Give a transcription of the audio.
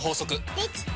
できた！